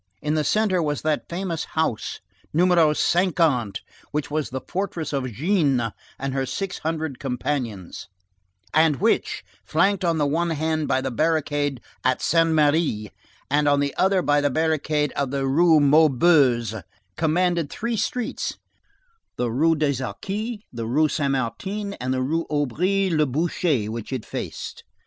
In the centre was that famous house No. 50, which was the fortress of Jeanne and her six hundred companions, and which, flanked on the one hand by a barricade at Saint Merry, and on the other by a barricade of the Rue Maubuée, commanded three streets, the Rue des Arcis, the Rue Saint Martin, and the Rue Aubry le Boucher, which it faced.